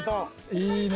いいね。